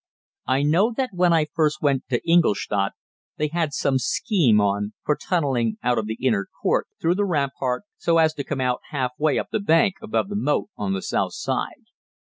I know that when I first went to Ingolstadt they had some scheme on for tunneling out of the inner court through the rampart so as to come out half way up the bank above the moat on the south side.